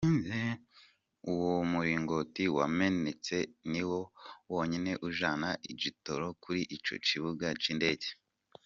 Uwo muringoti wamenetse ni wo wonyene ujana igitoro kuri ico kibuga c'indege.